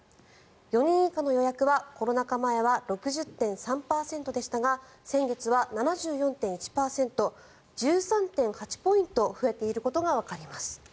４人以下の予約はコロナ禍前は６０．３％でしたが先月は７４．１％１３．８ポイント増えていることがわかります。